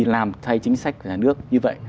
làm thay chính sách của nhà nước như vậy